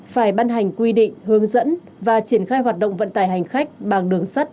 phải ban hành quy định hướng dẫn và triển khai hoạt động vận tải hành khách bằng đường sắt